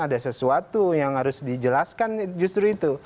ada sesuatu yang harus dijelaskan justru itu